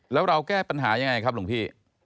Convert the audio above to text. แล้วเราแก้ปัญหายังไงครับหลวงพี่